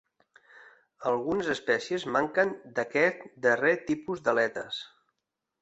Algunes espècies manquen d'aquest darrer tipus d'aletes.